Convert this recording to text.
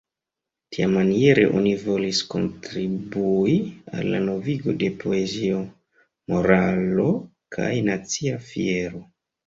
Tiamaniere oni volis kontribui al la novigo de poezio, moralo kaj nacia fiero.